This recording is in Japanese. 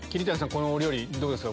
このお料理どうですか？